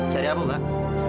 cari apa mbak